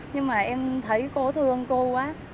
nhưng mà em thấy cô thương cô quá